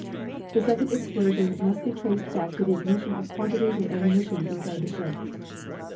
"The second explosion must be traced back to the ignition of quantities of ammunition inside the ship."